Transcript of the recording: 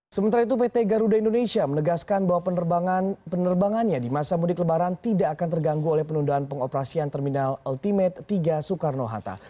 sementara itu pt garuda indonesia menegaskan bahwa penerbangannya di masa mudik lebaran tidak akan terganggu oleh penundaan pengoperasian terminal ultimate tiga soekarno hatta